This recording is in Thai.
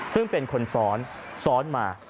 ซึ่งเป็นคนซ้อนซ้อนมา